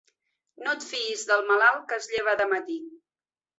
No et fiïs del malalt que es lleva de matí.